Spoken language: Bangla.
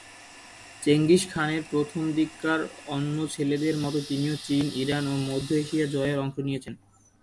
চেঙ্গিস খানের প্রথমদিককার অন্য ছেলেদের মত তিনিও চীন, ইরান ও মধ্য এশিয়া জয়ে অংশ নিয়েছেন।